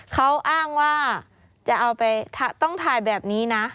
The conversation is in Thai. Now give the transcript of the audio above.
เขาอ้างว่าจะเอาไปต้องถ่ายแบบนี้นะ